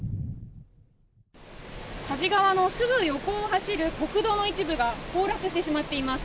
佐治川のすぐ横を走る国道の一部が崩落してしまっています。